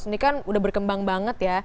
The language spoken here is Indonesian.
ini kan udah berkembang banget ya